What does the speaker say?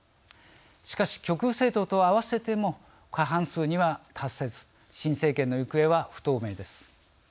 しかし、極右政党と合わせても過半数には達せず新政権の行方は不透明です。